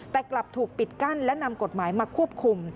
แต่กลับถูกปิดกั้นและนำกฎหมายมาควบคุม